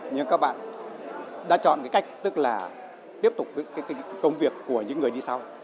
nhưng các bạn đã chọn cái cách tức là tiếp tục cái công việc của những người đi sau